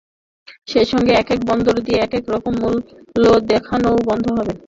সেই সঙ্গে একেক বন্দর দিয়ে একেক রকম মূল্য দেখানোও বন্ধ হবে।